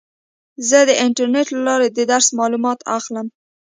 زه د انټرنیټ له لارې د درس معلومات اخلم.